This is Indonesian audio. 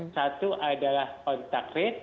satu adalah kontak